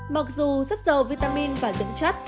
mặc dù rất giàu vitamin và dưỡng chất